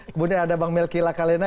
kemudian ada bang melki lakalena